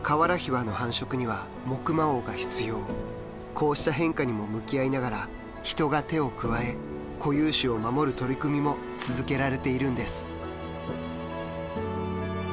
こうした変化にも向き合いながら人が手を加え固有種を守る取り組みも続けられているんです。